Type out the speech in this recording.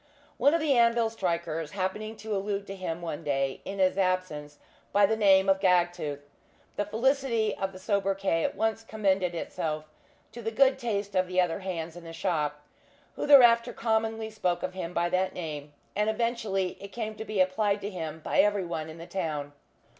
One of the anvil strikers happening to allude to him one day in his absence by the name of "Gagtooth," the felicity of the sobriquet at once commended itself to the good taste of the other hands in the shop, who thereafter commonly spoke of him by that name, and eventually it came to be applied to him by every one in the town.